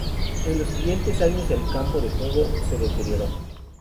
En los siguientes años el campo de juego se deterioró.